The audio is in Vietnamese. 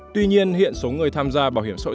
tuy nhiên hiện số người tham gia bảo hiểm xã hội